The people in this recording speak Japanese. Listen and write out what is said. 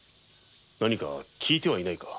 何か聞いてはいないか？